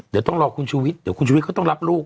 เดี๋ยวต้องรอคุณชูวิทย์เดี๋ยวคุณชุวิตเขาต้องรับลูก